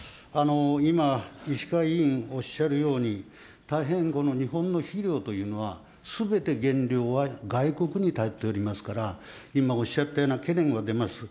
今、石川議員おっしゃるように、大変、この日本の肥料というのは、すべて原料は外国に頼っておりますから、今おっしゃったような懸念は出ます。